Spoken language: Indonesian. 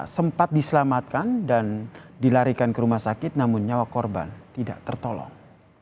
sempat diselamatkan dan dilarikan ke rumah sakit namun nyawa korban tidak tertolong